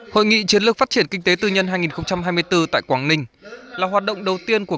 hội nghị chiến lược phát triển kinh tế tư nhân hai nghìn hai mươi bốn tại quảng ninh là hoạt động đầu tiên của